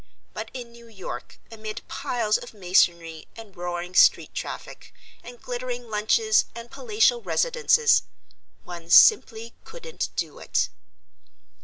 But in New York, amid piles of masonry and roaring street traffic and glittering lunches and palatial residences one simply couldn't do it.